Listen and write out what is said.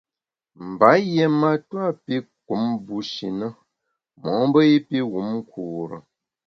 Mba yié matua pi kum bushi na mo’mbe i pi wum nkure.